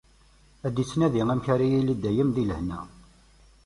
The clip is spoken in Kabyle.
Ad inadi amek ara yettili dayem di lehna.